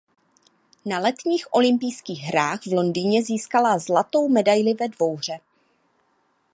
Na Letních olympijských hrách v Londýně získala zlatou medaili ve dvouhře.